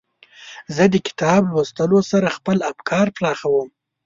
زه د کتاب لوستلو سره خپل افکار پراخوم.